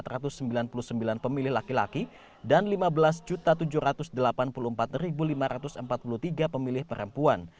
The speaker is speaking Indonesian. rp lima belas tujuh ratus sembilan puluh empat lima ratus empat puluh tiga pemilih laki laki dan rp lima belas tujuh ratus delapan puluh empat lima ratus empat puluh tiga pemilih perempuan